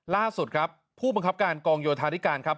ล่าสุดครับผู้บังคับการกองโยธาธิการครับ